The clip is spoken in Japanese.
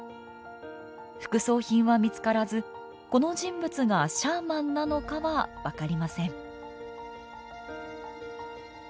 副葬品は見つからずこの人物がシャーマンなのかは分かりません。